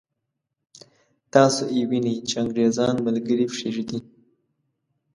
تاسو یې وینئ چې انګرېزان ملګري پرېږدي.